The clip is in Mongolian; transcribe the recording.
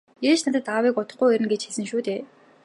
- Ээж надад аавыг удахгүй ирнэ гэж хэлсэн шүү дээ.